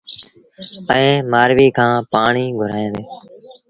ائيٚݩ مآرويٚ کآݩ پآڻيٚ گھُريآݩدي۔